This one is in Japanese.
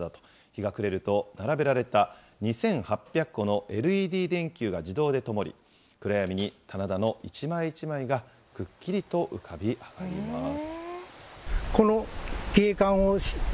日が暮れると、並べられた２８００個のＬＥＤ電球が自動にともり、暗闇に棚田の一枚一枚がくっきりと浮かび上がります。